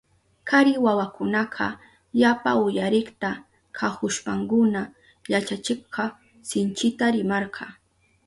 Kari wawakunaka yapa uyarikta kahushpankuna yachachikka sinchita rimarka.